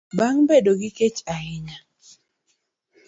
bang' bedo gi kech ahinya.